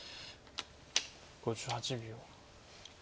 ５８秒。